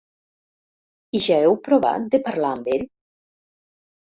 I ja heu provat de parlar amb ell?